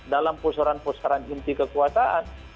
dalam pusaran pusaran inti kekuasaan